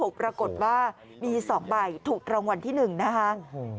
ปรากฏว่ามี๒ใบถูกรางวัลที่๑นะคะ